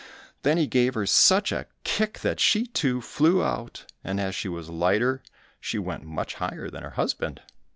Then he gave her such a kick that she, too, flew out, and as she was lighter she went much higher than her husband.